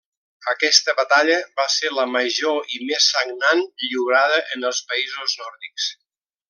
Aquesta batalla va ser la major i més sagnant lliurada en els països nòrdics.